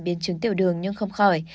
biến trứng tiểu đường nhưng không khỏi